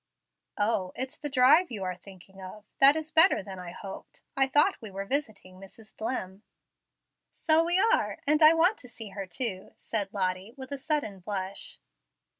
"O, it's the 'drive' you are thinking of. That is better than I hoped. I thought we were visiting Mrs. Dlimm." "So we are, and I want to see her too," said Lottie, with a sudden blush.